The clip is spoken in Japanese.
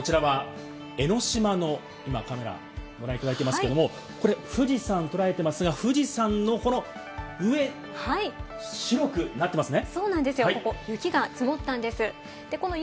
こちらは江の島の、今、カメラをご覧いただいてますけれども、これ富士山、捉えてますが、富士山のこのはい、白くなってますね。